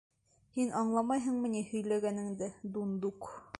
Һин аңлайһыңмы ни һөйләгәнеңде, дундук!